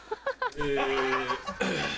え